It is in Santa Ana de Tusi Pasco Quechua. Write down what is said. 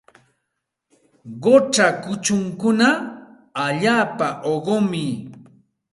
Qucha kuchunkuna allaapa uqumi.